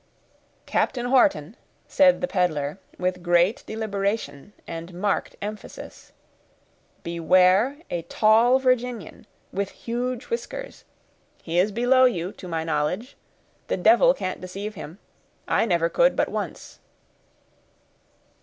"Captain Wharton," said the peddler, with great deliberation and marked emphasis, "beware a tall Virginian, with huge whiskers; he is below you, to my knowledge; the devil can't deceive him; I never could but once."